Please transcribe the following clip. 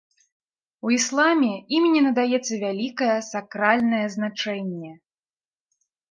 У ісламе імені надаецца вялікае сакральнае значэнне.